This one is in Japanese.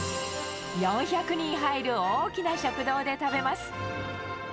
４００人入る大きな食堂で食べます。